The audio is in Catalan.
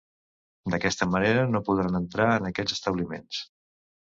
D'aquesta manera, no podran entrar en aquests establiments.